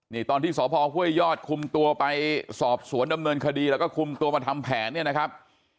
นี่ตอนที่สพห้วยยอดคุมตัวไปสอบสวนดำเนินคดีแล้วก็คุมตัวมาทำแผนเนี่ยนะครับ